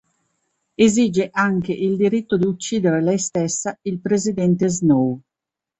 Esige anche il diritto di uccidere lei stessa il Presidente Snow.